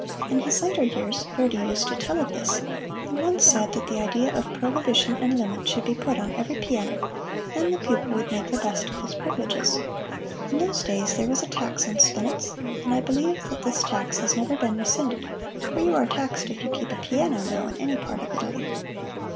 In his later years Verdi used to tell of this, and once said that the idea of prohibition and limit should be put on every piano then the pupil would make the best of his privileges. In those days there was a tax on spinets, and I believe that this tax has never been rescinded, for you are taxed if you keep a piano, now, in any part of Italy.